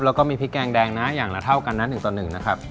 แล้วก็มีพริกแกงแดงนะอย่างละเท่ากันนะ๑ต่อ๑นะครับ